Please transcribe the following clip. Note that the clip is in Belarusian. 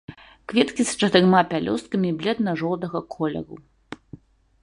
Кветкі з чатырма пялёсткамі, бледна-жоўтага колеру.